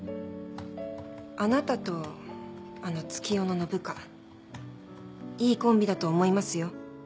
あなたとあの月夜野の部下いいコンビだと思いますよ。